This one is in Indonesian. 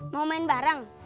mau main bareng